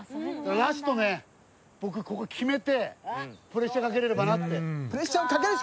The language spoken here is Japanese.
ラストね、僕、ここ決めて、プレッシャーかけれればなと。